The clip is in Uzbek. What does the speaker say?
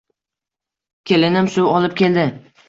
Kelinim suv olib keldi